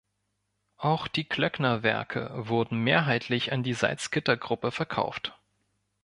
Auch die Klöckner-Werke wurden mehrheitlich an die Salzgitter-Gruppe verkauft.